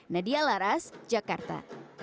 nadia laras jakarta